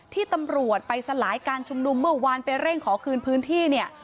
ที่ตำรวจไปสลายการชุมนุมเมื่อวานไปเร่งขอคืนพื้นที่เนี่ย